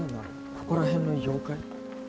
ここら辺の妖怪？